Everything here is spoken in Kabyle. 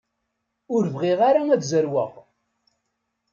Ur bɣiɣ ara ad zerweɣ.